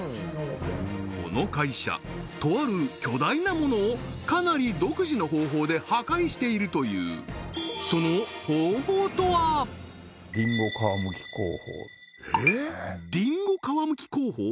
この会社とある巨大なものをかなり独自の方法で破壊しているというリンゴ皮むき工法！？